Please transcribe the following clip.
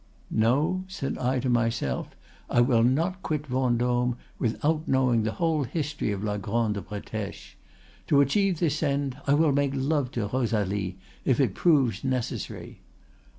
'No,' said I to myself, 'I will not quit Vendôme without knowing the whole history of la Grande Bretèche. To achieve this end, I will make love to Rosalie if it proves necessary.